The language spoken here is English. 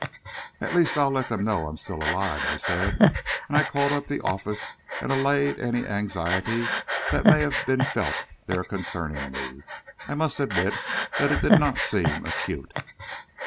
"At least, I'll let them know I'm still alive," I said, and I called up the office and allayed any anxiety that may have been felt there concerning me. I must admit that it did not seem acute.